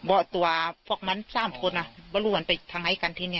บอกตัวพวกมัน๓คนไม่รู้ว่าไปทางไหนกันที่นี่